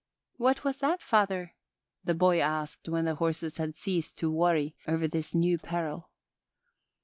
"What was that, father?" the boy asked when the horses had ceased to worry over this new peril.